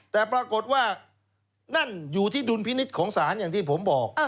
แต่ปรากฏว่านั่นอยู่ที่ดุลพินิษฐ์ของศาลอย่างที่ผมบอก